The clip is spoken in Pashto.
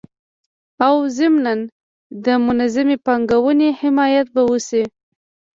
او ضمنان د منظمي پانګوني حمایت به وسي